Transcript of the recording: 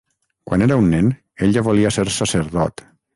Quan era un nen, ell ja volia ser sacerdot.